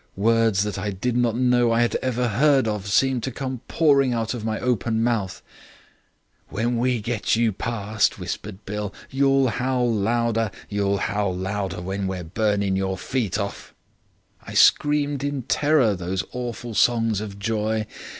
Words that I did not know I had ever heard of seemed to come pouring out of my open mouth. "'When we get you past,' whispered Bill, 'you'll howl louder; you'll howl louder when we're burning your feet off.' "I screamed in my terror those awful songs of joy.